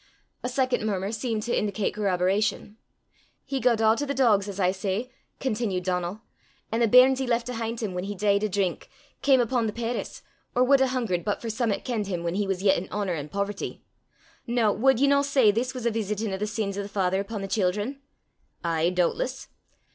A second murmur seemed to indicate corroboration. "He gaed a' to the dogs, as I say," continued Donal; "an' the bairns he left 'ahint him whan he dee'd o' drink, cam upo' the perris, or wad hae hungert but for some 'at kenned him whan he was yet in honour an' poverty. Noo, wad ye no say this was a veesitin' o' the sins o' the father upo' the children?" "Ay, doobtless!"